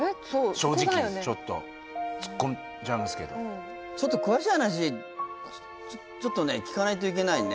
正直ちょっと突っ込んじゃいますけど詳しい話ちょっとね聞かないといけないね